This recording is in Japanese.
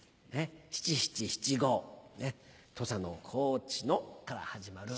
七・七・七・五「土佐の高知の」から始まる。